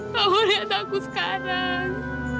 kamu lihat aku sekarang